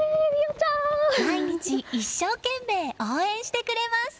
毎日、一生懸命応援してくれます。